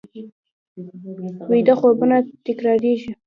ویده خوبونه تکرارېږي